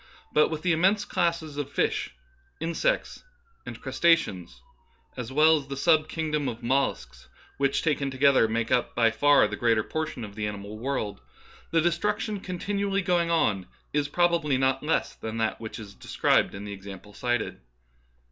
But with the immense classes of fishes, insects, and crustaceans, as well as the sub king dom of mollusks, — which taken together make up by far the greater portion of the animal world, — the destruction continually going on is prob ably not less than that which is described in tlie example cited.